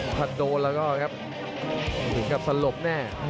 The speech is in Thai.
ถ้าโดนแล้วก็ครับถึงกับสลบแน่